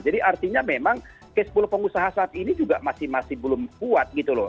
jadi artinya memang kes polu pengusaha saat ini juga masih masih belum kuat gitu loh